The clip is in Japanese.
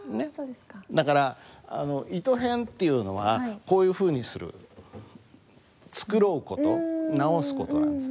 だから糸偏っていうのはこういうふうにする繕う事直す事なんです。